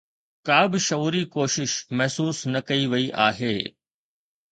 ڪابه شعوري ڪوشش محسوس نه ڪئي وئي آهي